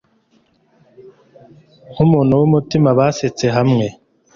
Nkumuntu wumutima Basetse hamwe